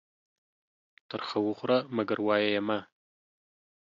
تر خه وخوره ، منگر وايه يې مه.